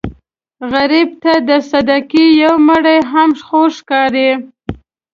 غریب ته د صدقې یو مړۍ هم خوږ ښکاري